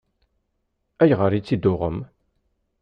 Ayɣer i tt-id-tuɣem?